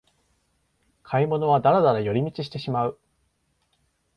買い物はダラダラ寄り道してしまう